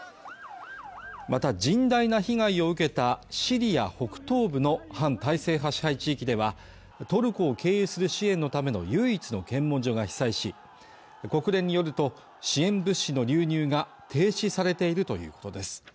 また甚大な被害を受けたシリア北東部の反体制派支配地域ではトルコを経由する支援のための唯一の検問所が被災し国連によると支援物資の流入が停止されているということです